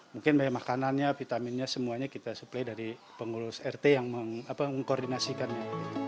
mungkin makannya vitaminnya semuanya kita supply dari pengurus rt yang mengkoordinasikannya